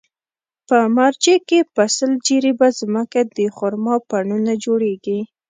په مارجې کې په سل جریبه ځمکه د خرما پڼونه جوړېږي.